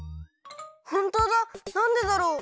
ほんとうだなんでだろう？